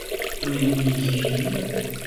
維尼熊